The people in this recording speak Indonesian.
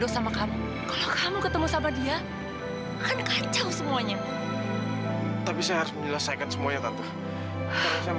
sampai jumpa di video selanjutnya